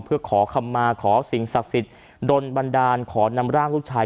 เพื่อขอคำมาขอสิ่งศักดิ์สิทธิ์โดนบันดาลขอนำร่างลูกชาย